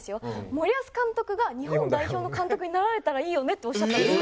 森保監督が日本代表の監督になられたらいいよねっておっしゃったんです。